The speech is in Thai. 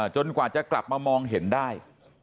กว่าจะกลับมามองเห็นได้